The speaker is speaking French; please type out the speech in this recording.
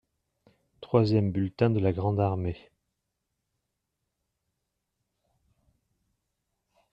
Troisième bulletin de la grande armée.